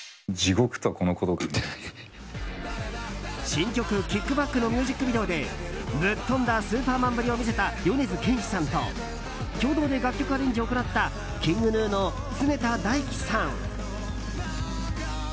新曲「ＫＩＣＫＢＡＣＫ」のミュージックビデオでぶっ飛んだスーパーマンぶりを見せた米津玄師さんと共同で楽曲アレンジを行ったＫｉｎｇＧｎｕの常田大希さん。